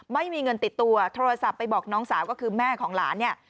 ไม่มีเงินติดตัวโทรศัพท์ไปบอกน้องสาวก็คือแม่ของหลานเนี่ย